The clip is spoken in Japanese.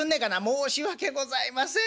「申し訳ございません。